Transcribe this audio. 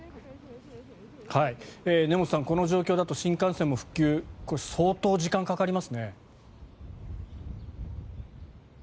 根本さん、この状況だと新幹線も復旧相当、時間がかかりますね。